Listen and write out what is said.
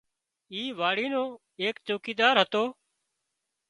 اي واڙي نو ايڪ چوڪيدار هتو